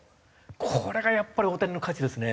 これがやっぱり大谷の価値ですね。